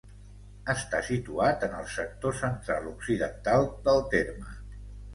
Està situat en el sector central-occidental del terme.